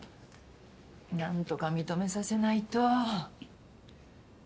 何とか認めさせないと。